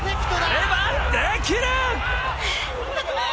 やればできる。